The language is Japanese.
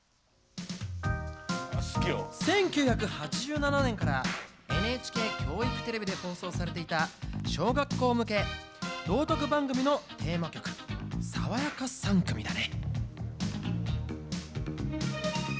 １９８７年からＮＨＫ教育テレビで放送されていた小学生向け道徳番組のテーマ曲「さわやか３組」だね。